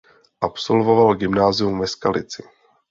Absolvoval gymnázium ve Skalici.